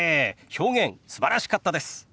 表現すばらしかったです。